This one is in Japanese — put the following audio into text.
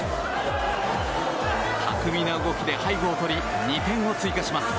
巧みな動きで背後を取り２点を追加します。